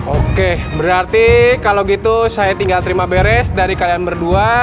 oke berarti kalau gitu saya tinggal terima beres dari kalian berdua